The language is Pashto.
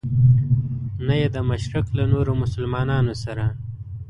نه یې د مشرق له نورو مسلمانانو سره.